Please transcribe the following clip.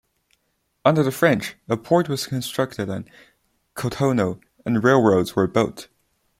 Under the French, a port was constructed at Cotonou, and railroads were built.